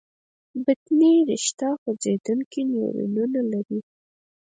بطني رشته خوځېدونکي نیورونونه لري.